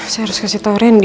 saya harus kasih tau rendy